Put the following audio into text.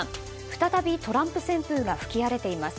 再びトランプ旋風が吹き荒れています。